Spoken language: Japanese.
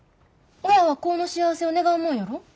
親は子の幸せを願うもんやろ？